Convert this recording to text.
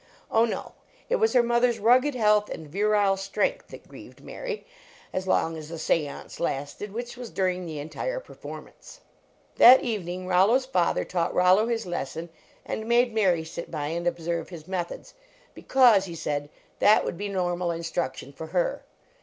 Oh, no; it was her mother s nu health and virile strength that grieved Mary, 35 LEARNING TO READ as long as the seance lasted, which was dur ing the entire performance. That evening Rollo s father taught Rollo his lesson and made Mary sit by and observe his methods, because, he said, that would be normal instruction for her.